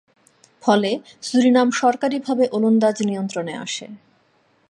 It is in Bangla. ফলে সুরিনাম সরকারীভাবে ওলন্দাজ নিয়ন্ত্রণে আসে।